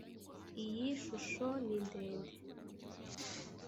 iyi shusho nindende.